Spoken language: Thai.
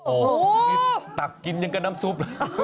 โอ้โฮตักกินอย่างกับน้ำซุป